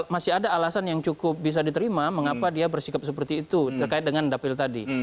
masih ada alasan yang cukup bisa diterima mengapa dia bersikap seperti itu terkait dengan dapil tadi